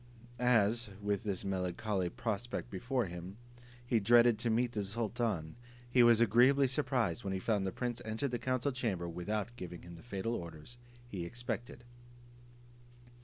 As, with this melancholy prospect before him, he dreaded to meet the sultan, he was agreeably surprised when he found the prince entered the council chamber without giving him the fatal orders he expected.